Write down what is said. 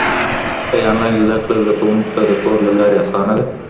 ايا انلاين زده کړه زده کوونکو ته د کور له لارې اسانه ده؟